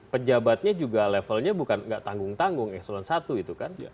pejabatnya juga levelnya bukan tidak tanggung tanggung ekselon satu itu kan